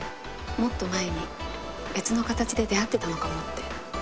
もっと前に別の形で出会ってたのかもって。